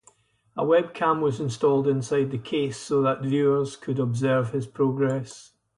A webcam was installed inside the case so that viewers could observe his progress.